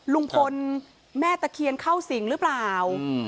ลุงพลแม่ตะเคียนเข้าสิงหรือเปล่า